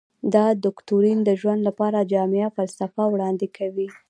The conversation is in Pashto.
دا دوکتورین د ژوند لپاره جامعه فلسفه وړاندې کوي.